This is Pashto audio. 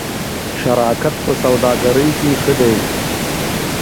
شراکت په سوداګرۍ کې ښه دی.